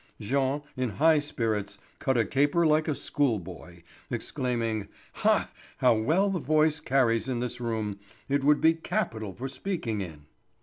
Jean, in high spirits, cut a caper like a school boy, exclaiming: "Hah! How well the voice carries in this room; it would be capital for speaking in."